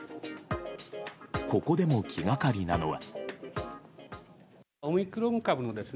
ここでも気がかりなのは。